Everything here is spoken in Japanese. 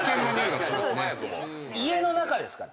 家の中ですから。